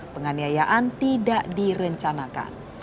penganiayaan tidak direncanakan